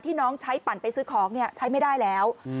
น้องใช้ปั่นไปซื้อของใช้ไม่ได้แล้ว